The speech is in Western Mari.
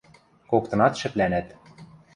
Коктынат шӹплӓнӓт.